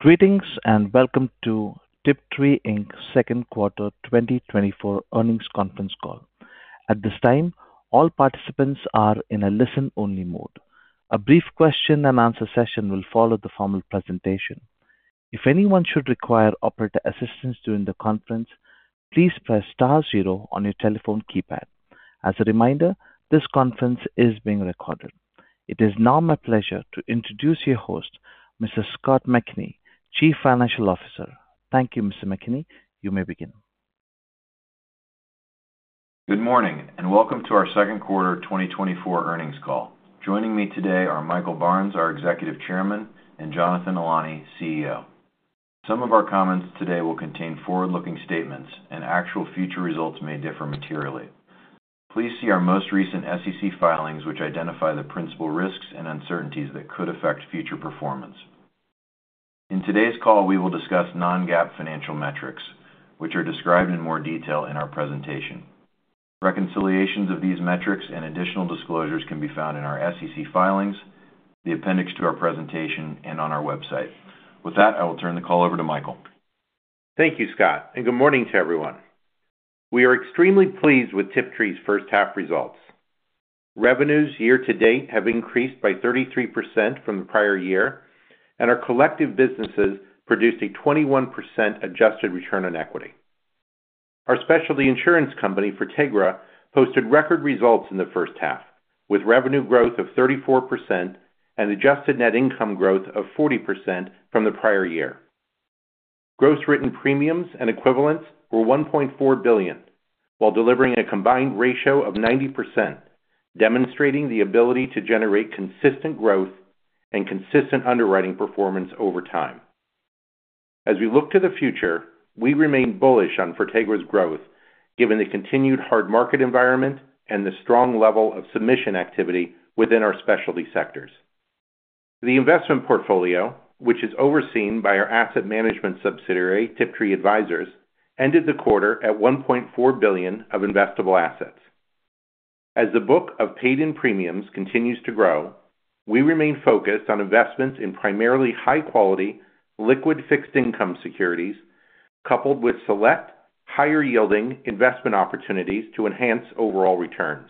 Greetings, and welcome to Tiptree Inc.'s second quarter 2024 earnings conference call. At this time, all participants are in a listen-only mode. A brief question-and-answer session will follow the formal presentation. If anyone should require operator assistance during the conference, please press star zero on your telephone keypad. As a reminder, this conference is being recorded. It is now my pleasure to introduce your host, Mr. Scott McKinney, Chief Financial Officer. Thank you, Mr. McKinney. You may begin. Good morning, and welcome to our second quarter 2024 earnings call. Joining me today are Michael Barnes, our Executive Chairman, and Jonathan Alani, CEO. Some of our comments today will contain forward-looking statements, and actual future results may differ materially. Please see our most recent SEC filings, which identify the principal risks and uncertainties that could affect future performance. In today's call, we will discuss Non-GAAP financial metrics, which are described in more detail in our presentation. Reconciliations of these metrics and additional disclosures can be found in our SEC filings, the appendix to our presentation, and on our website. With that, I will turn the call over to Michael. Thank you, Scott, and good morning to everyone. We are extremely pleased with Tiptree's first half results. Revenues year to date have increased by 33% from the prior year, and our collective businesses produced a 21% adjusted return on equity. Our specialty insurance company, Fortegra, posted record results in the first half, with revenue growth of 34% and adjusted net income growth of 40% from the prior year. Gross written premiums and equivalents were $1.4 billion, while delivering a combined ratio of 90%, demonstrating the ability to generate consistent growth and consistent underwriting performance over time. As we look to the future, we remain bullish on Fortegra's growth, given the continued hard market environment and the strong level of submission activity within our specialty sectors. The investment portfolio, which is overseen by our asset management subsidiary, Tiptree Advisors, ended the quarter at $1.4 billion of investable assets. As the book of paid-in premiums continues to grow, we remain focused on investments in primarily high-quality, liquid fixed income securities, coupled with select higher-yielding investment opportunities to enhance overall returns.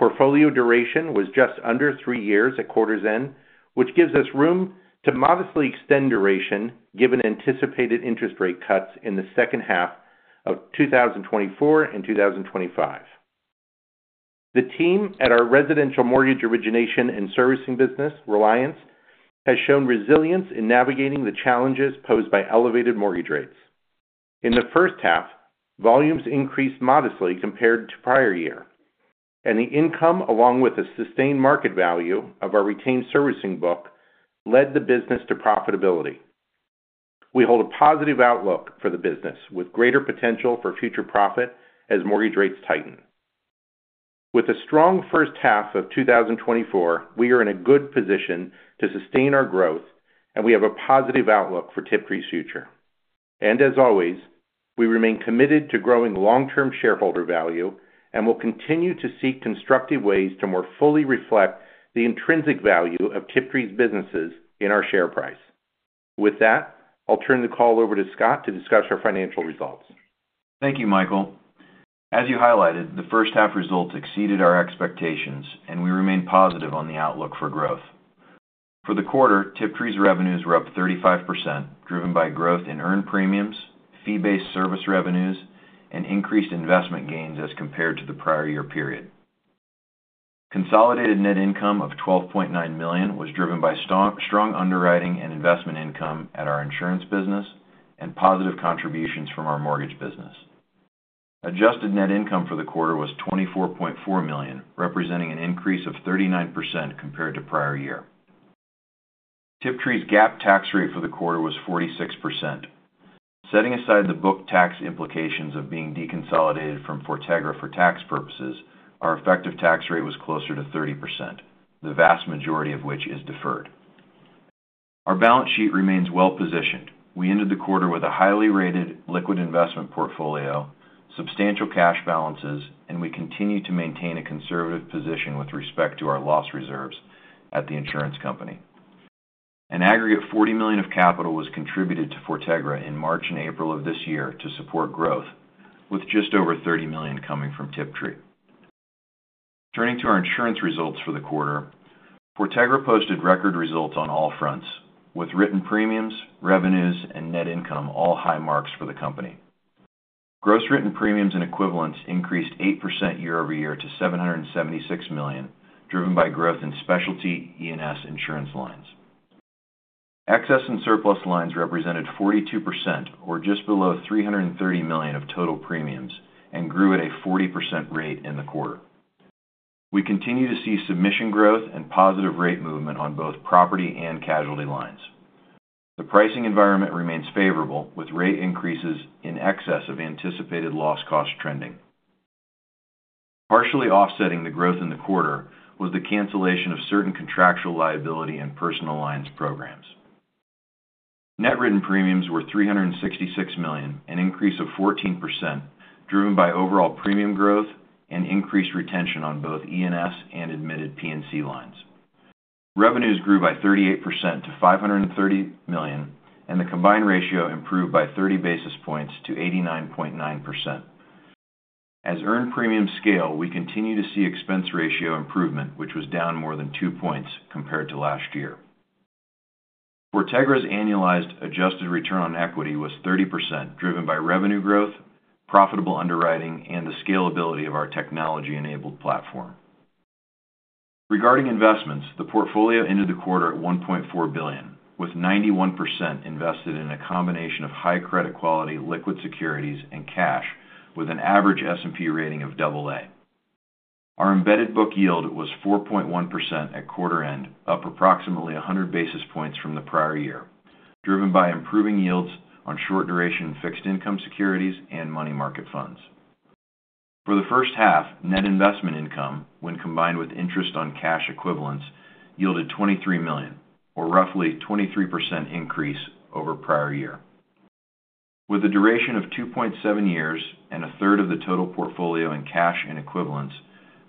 Portfolio duration was just under three years at quarter's end, which gives us room to modestly extend duration, given anticipated interest rate cuts in the second half of 2024 and 2025. The team at our residential mortgage origination and servicing business, Reliance, has shown resilience in navigating the challenges posed by elevated mortgage rates. In the first half, volumes increased modestly compared to prior year, and the income, along with the sustained market value of our retained servicing book, led the business to profitability. We hold a positive outlook for the business, with greater potential for future profit as mortgage rates tighten. With a strong first half of 2024, we are in a good position to sustain our growth, and we have a positive outlook for Tiptree's future. And as always, we remain committed to growing long-term shareholder value and will continue to seek constructive ways to more fully reflect the intrinsic value of Tiptree's businesses in our share price. With that, I'll turn the call over to Scott to discuss our financial results. Thank you, Michael. As you highlighted, the first half results exceeded our expectations, and we remain positive on the outlook for growth. For the quarter, Tiptree's revenues were up 35%, driven by growth in earned premiums, fee-based service revenues, and increased investment gains as compared to the prior year period. Consolidated net income of $12.9 million was driven by strong underwriting and investment income at our insurance business and positive contributions from our mortgage business. Adjusted net income for the quarter was $24.4 million, representing an increase of 39% compared to prior year. Tiptree's GAAP tax rate for the quarter was 46%. Setting aside the book tax implications of being deconsolidated from Fortegra for tax purposes, our effective tax rate was closer to 30%, the vast majority of which is deferred. Our balance sheet remains well-positioned. We ended the quarter with a highly rated liquid investment portfolio, substantial cash balances, and we continue to maintain a conservative position with respect to our loss reserves at the insurance company. An aggregate $40 million of capital was contributed to Fortegra in March and April of this year to support growth, with just over $30 million coming from Tiptree. Turning to our insurance results for the quarter, Fortegra posted record results on all fronts, with written premiums, revenues, and net income, all high marks for the company. Gross written premiums and equivalents increased 8% year-over-year to $776 million, driven by growth in specialty E&S insurance lines. Excess and surplus lines represented 42% or just below $330 million of total premiums and grew at a 40% rate in the quarter. We continue to see submission growth and positive rate movement on both property and casualty lines. The pricing environment remains favorable, with rate increases in excess of anticipated loss cost trending. Partially offsetting the growth in the quarter was the cancellation of certain contractual liability and personal lines programs. Net written premiums were $366 million, an increase of 14%, driven by overall premium growth and increased retention on both E&S and admitted P&C lines. Revenues grew by 38% to $530 million, and the combined ratio improved by 30 basis points to 89.9%. As earned premium scale, we continue to see expense ratio improvement, which was down more than 2 points compared to last year. Fortegra's annualized adjusted return on equity was 30%, driven by revenue growth, profitable underwriting, and the scalability of our technology-enabled platform. Regarding investments, the portfolio ended the quarter at $1.4 billion, with 91% invested in a combination of high credit quality, liquid securities, and cash, with an average S&P rating of AA. Our embedded book yield was 4.1% at quarter end, up approximately 100 basis points from the prior year, driven by improving yields on short duration fixed income securities and money market funds. For the first half, net investment income, when combined with interest on cash equivalents, yielded $23 million, or roughly 23% increase over prior year. With a duration of 2.7 years and a third of the total portfolio in cash and equivalents,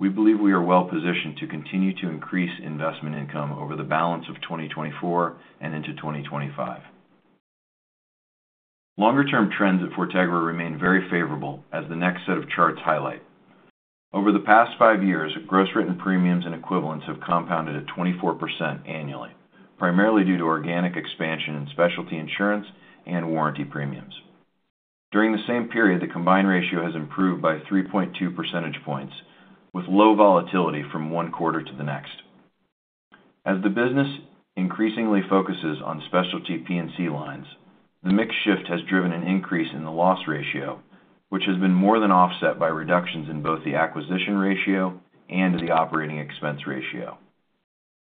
we believe we are well positioned to continue to increase investment income over the balance of 2024 and into 2025. Longer-term trends at Fortegra remain very favorable as the next set of charts highlight. Over the past 5 years, gross written premiums and equivalents have compounded at 24% annually, primarily due to organic expansion in specialty insurance and warranty premiums. During the same period, the combined ratio has improved by 3.2 percentage points, with low volatility from 1 quarter to the next. As the business increasingly focuses on specialty P&C lines, the mix shift has driven an increase in the loss ratio, which has been more than offset by reductions in both the acquisition ratio and the operating expense ratio.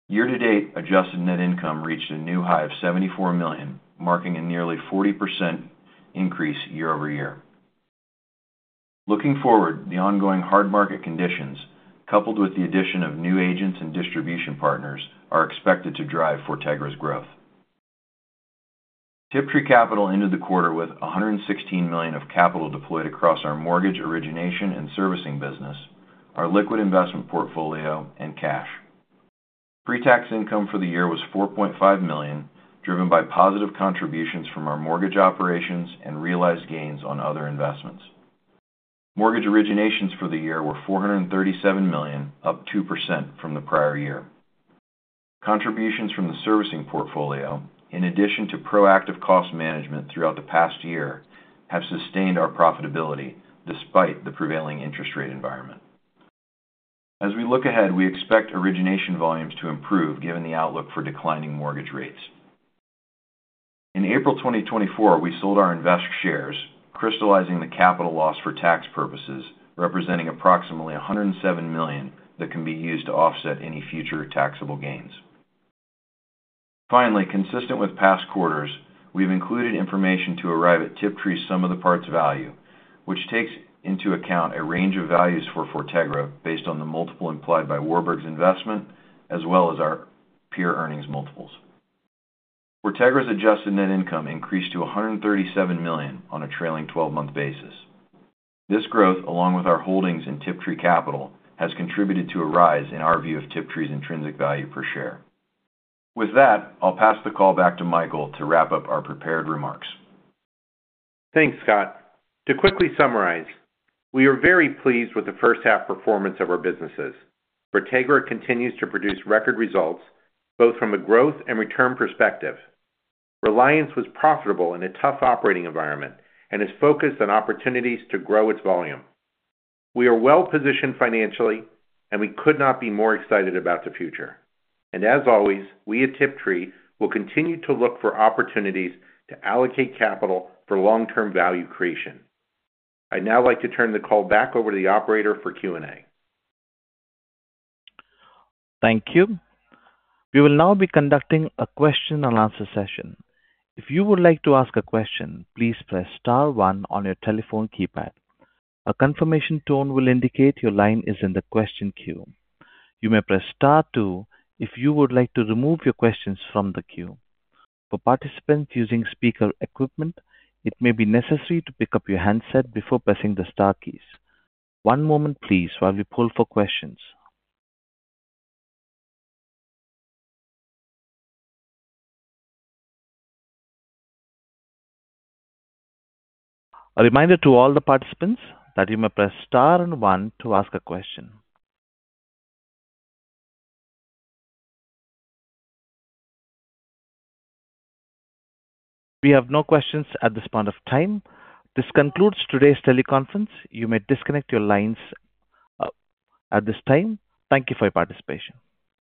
Year-to-date, adjusted net income reached a new high of $74 million, marking a nearly 40% increase year-over-year. Looking forward, the ongoing hard market conditions, coupled with the addition of new agents and distribution partners, are expected to drive Fortegra's growth. Tiptree Capital ended the quarter with $116 million of capital deployed across our mortgage origination and servicing business, our liquid investment portfolio, and cash. Pre-tax income for the year was $4.5 million, driven by positive contributions from our mortgage operations and realized gains on other investments. Mortgage originations for the year were $437 million, up 2% from the prior year. Contributions from the servicing portfolio, in addition to proactive cost management throughout the past year, have sustained our profitability despite the prevailing interest rate environment. As we look ahead, we expect origination volumes to improve given the outlook for declining mortgage rates. In April 2024, we sold our Invest shares, crystallizing the capital loss for tax purposes, representing approximately $107 million that can be used to offset any future taxable gains. Finally, consistent with past quarters, we've included information to arrive at Tiptree's sum of the parts value, which takes into account a range of values for Fortegra based on the multiple implied by Warburg's investment, as well as our peer earnings multiples. Fortegra's adjusted net income increased to $137 million on a trailing twelve-month basis. This growth, along with our holdings in Tiptree Capital, has contributed to a rise in our view of Tiptree's intrinsic value per share. With that, I'll pass the call back to Michael to wrap up our prepared remarks. Thanks, Scott. To quickly summarize, we are very pleased with the first half performance of our businesses. Fortegra continues to produce record results, both from a growth and return perspective. Reliance was profitable in a tough operating environment and is focused on opportunities to grow its volume. We are well positioned financially, and we could not be more excited about the future. And as always, we at Tiptree will continue to look for opportunities to allocate capital for long-term value creation. I'd now like to turn the call back over to the operator for Q&A. Thank you. We will now be conducting a question and answer session. If you would like to ask a question, please press star one on your telephone keypad. A confirmation tone will indicate your line is in the question queue. You may press star two if you would like to remove your questions from the queue. For participants using speaker equipment, it may be necessary to pick up your handset before pressing the star keys. One moment, please, while we pull for questions. A reminder to all the participants that you may press star and one to ask a question. We have no questions at this point of time. This concludes today's teleconference. You may disconnect your lines at this time. Thank you for your participation.